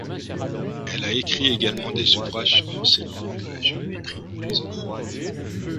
Elle a écrit également des ouvrages sur l'enseignement de la géométrie pour les enfants.